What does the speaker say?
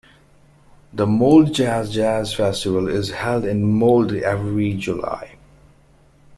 The Moldejazz jazz festival is held in Molde every July.